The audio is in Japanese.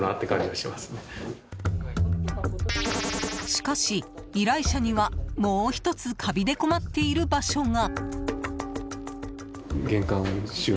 しかし、依頼者にはもう１つカビで困っている場所が。